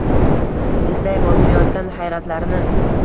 izday bosilayotgan hayratlarini